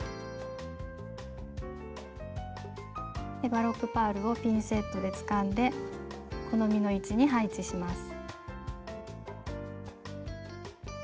バロックパールをピンセットでつかんで好みの位置に配置します。